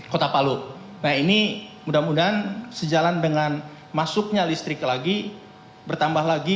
kota palu nah ini mudah mudahan sejalan dengan masuknya listrik lagi bertambah lagi